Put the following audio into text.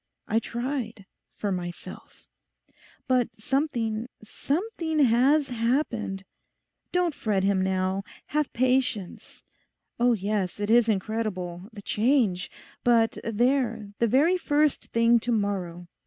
I tried: for myself. But something—something has happened. Don't fret him now. Have patience. Oh yes, it is incredible... the change! But there, the very first thing to morrow.